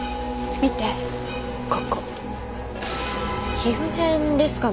皮膚片ですかね？